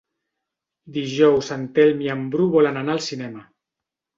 Dijous en Telm i en Bru volen anar al cinema.